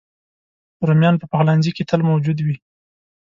رومیان په پخلنځي کې تل موجود وي